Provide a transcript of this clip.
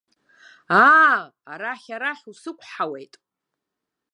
Аа, арахь, арахь, усықәҳауеит!